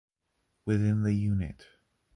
Within the unit.